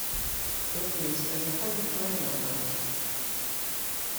It is a hardy perennial plant.